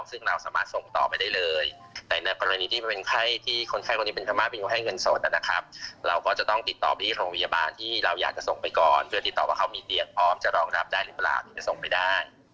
ซึ่งเราสามารถส่งต่อไปได้เลยแต่ในกรณีที่เป็นไข้ที่คนไข้คนนี้เป็นพม่าเป็นคนให้เงินสดนะครับเราก็จะต้องติดต่อไปที่โรงพยาบาลที่เราอยากจะส่งไปก่อนเพื่อติดต่อว่าเขามีเตียงพร้อมจะรองรับได้หรือเปล่าถึงจะส่งไปได้